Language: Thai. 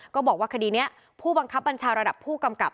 ก็บอกว่าคดีนี้ผู้บังคับบัญชาระดับผู้กำกับ